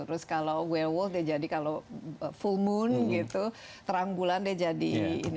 terus kalau wereworld dia jadi kalau full moon gitu terang bulan dia jadi ini